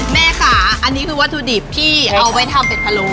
แม่ค่ะอันนี้คือวัตถุดิบที่เอาไว้ทำเป็ดพะโล